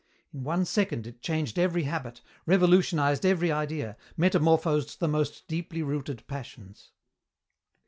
In one second it changed every habit, revolutionized every idea, metamorphosed the most deeply rooted passions.